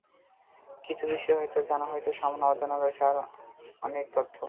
কিছু বিষয়ে হয়তো জানা হয়েছে সামান্য, অজানা রয়েছে আরও অনেক তথ্য।